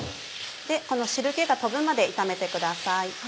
この汁気が飛ぶまで炒めてください。